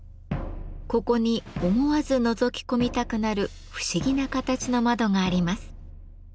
ここに思わずのぞき込みたくなる不思議な形の窓があります。